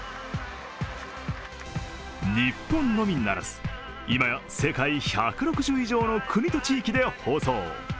日本のみならず、今や世界１６０以上の国と地域で放送。